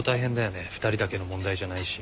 ２人だけの問題じゃないし。